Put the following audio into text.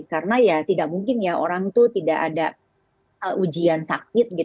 karena tidak mungkin orang itu tidak ada ujian sakit